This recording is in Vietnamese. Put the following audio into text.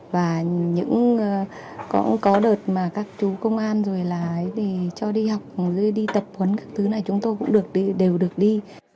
và cũng có đợt mà các chú công an rồi là cho đi học rồi đi tập huấn các thứ này chúng tôi cũng đều được đi